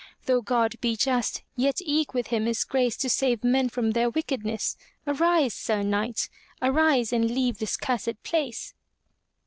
Though God be just, yet eke with Him is grace to save men from their wicked ness. Arise, Sir Knight! Arise and leave this cursed place.'